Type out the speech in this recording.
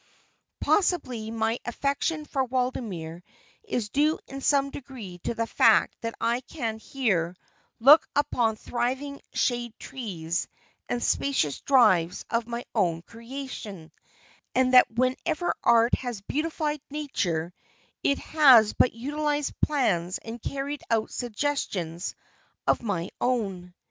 Possibly my affection for Waldemere is due in some degree to the fact that I can here look upon thriving shade trees and spacious drives of my own creation, and that wherever art has beautified nature, it has but utilized plans and carried out suggestions of my own.